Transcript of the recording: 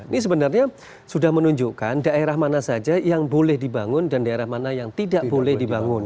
ini sebenarnya sudah menunjukkan daerah mana saja yang boleh dibangun dan daerah mana yang tidak boleh dibangun